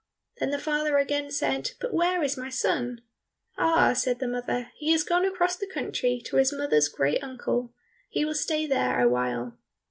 Then the father again said, "But where is my son?" "Ah," said the mother, "he has gone across the country to his mother's great uncle; he will stay there awhile."